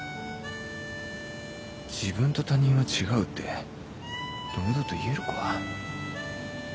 自分と他人は違うって堂々と言えるか？